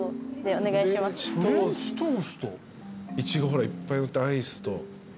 イチゴほらいっぱいのってアイスと。